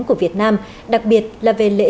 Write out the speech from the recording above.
của việt nam đặc biệt là về lễ